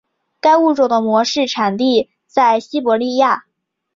该物种的模式产地在西伯利亚。